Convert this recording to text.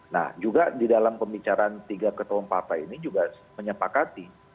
nah juga di dalam pembicaraan tiga ketua partai ini juga menyepakati